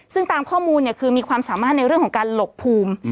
ซึ่งตามข้อมูลคือมีความสามารถในเรื่องของการหลบภูมิ